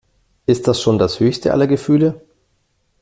Ist das schon das höchste aller Gefühle?